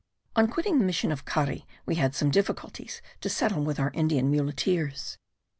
On quitting the mission of Cari, we had some difficulties to settle with our Indian muleteers.